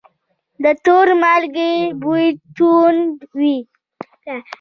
د تور مالګې بوی توند وي.